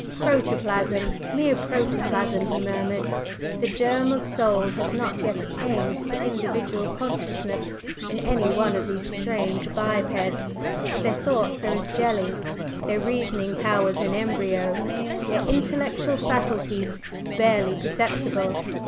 "Protoplasm mere protoplasm!" he murmured. "The germ of soul has not yet attained to individual consciousness in any one of these strange bipeds. Their thoughts are as jelly, their reasoning powers in embryo, their intellectual faculties barely perceptible.